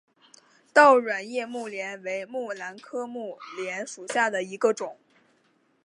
倒卵叶木莲为木兰科木莲属下的一个种。